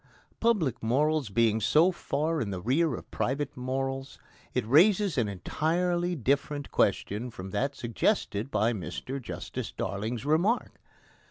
Public morals being so far in the rear of private morals, it raises an entirely different question from that suggested by Mr Justice Darling's remark.